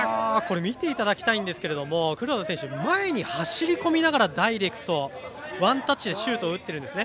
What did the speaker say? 見ていただきたいんですが黒田選手、前に走りこみながらダイレクト、ワンタッチでシュート打ってるんですね。